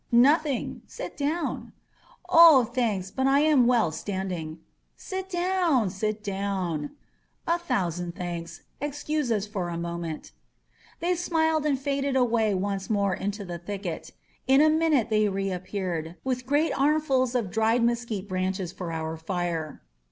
"Nothing. Sit down." "Oh, thanks, but I am well standing." "Sit down. Sit down." ^^A thousand thanks. Excuse us for a moment." They smiled and faded away once more into the thicket. In a minute they reappeared, with great arm fuls of dried mesquite branches for our fire.